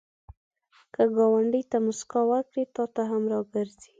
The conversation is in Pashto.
که ګاونډي ته مسکا ورکړې، تا ته هم راګرځي